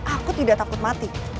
aku tidak takut mati